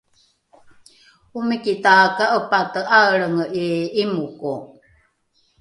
omiki taka’epate ’aelrenge ’i ’imoko